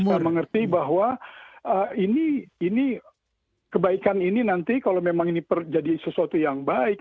untuk bisa mengerti bahwa kebaikan ini nanti kalau memang ini menjadi sesuatu yang baik